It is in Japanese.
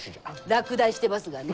落第してますがね。